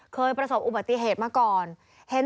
เคยประสบอุบัติเหตุมาก่อน